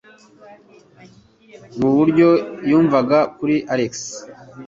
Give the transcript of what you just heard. Nuburyo yumvaga kuri Alex.